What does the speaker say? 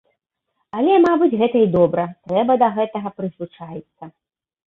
Але, мабыць, гэта і добра, трэба да гэтага прызвычаіцца.